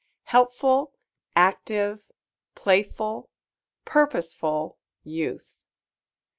Helpful Active Playful Purposeful Youth.